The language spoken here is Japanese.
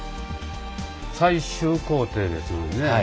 最終工程ですのでね